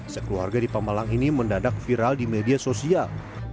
sekeluarga di pemalang ini mendadak viral di media sosial